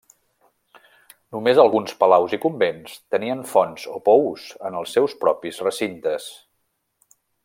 Només alguns palaus i convents tenien fonts o pous en els seus propis recintes.